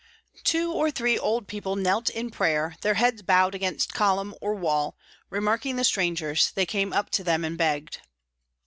Two or three old people knelt in prayer, their heads bowed against column or wall; remarking the strangers, they came up to them and begged.